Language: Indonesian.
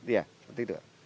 ya seperti itu